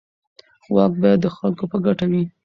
واک باید د خلکو په ګټه وي.